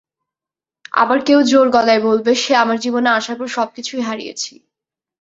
আবার কেউ জোর গলায় বলবে সে আমার জীবনে আসার পর সবকিছুই হারিয়েছি।